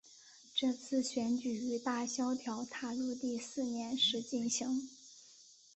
这次选举于大萧条踏入第四年时进行。